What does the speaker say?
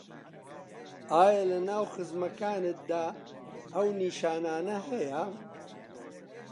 ئایا لەناو خزمەکانتدا ئەو نیشانانه هەیە